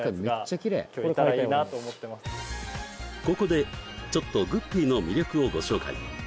ここでちょっとグッピーの魅力をご紹介